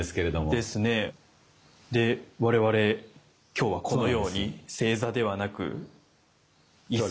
で我々今日はこのように正座ではなく椅子に。